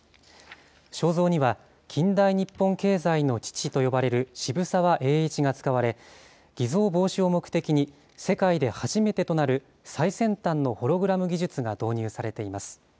肖像には、近代日本経済の父と呼ばれる渋沢栄一が使われ、偽造防止を目的に、世界で初めてとなる最先端のホログラム技術が導入されています。